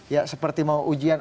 ya seperti mau ujian